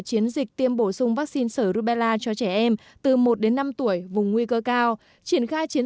chiến dịch tiêm bổ sung vaccine sởi rubella cho trẻ em từ một đến năm tuổi vùng nguy cơ cao triển khai chiến